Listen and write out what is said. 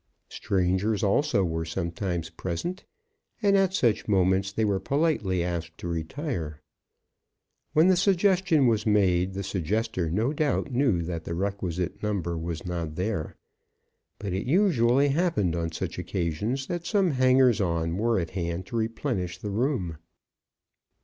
Strangers also were sometimes present, and at such moments they were politely asked to retire. When the suggestion was made, the suggestor no doubt knew that the requisite number was not there, but it usually happened on such occasions that some hangers on were at hand to replenish the room.